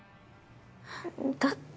だって。